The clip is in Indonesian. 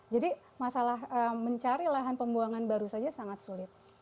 jadi masalah mencari lahan pembuangan baru saja sangat sulit